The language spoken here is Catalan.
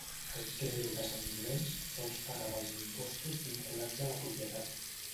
El clero de sant Llorenç sols pagava els impostos vinculats a la propietat.